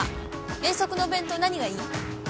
遠足のお弁当何がいい？